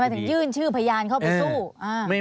ถึงยื่นชื่อพยานเข้าไปสู้